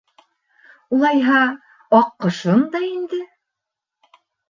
— Улайһа, аҡҡошом да инде!